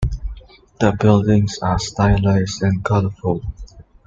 The buildings are stylized and colorful.